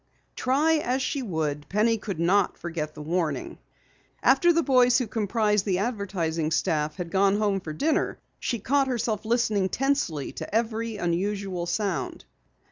Try as she would, Penny could not forget the warning. After the boys who comprised the advertising staff had gone home for dinner, she caught herself listening tensely to every unusual sound.